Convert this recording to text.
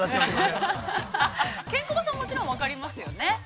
◆ケンコバさんは、もちろん分かりますよね。